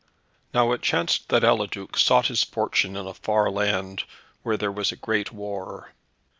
Now it chanced that Eliduc sought his fortune in a far land, where there was a great war.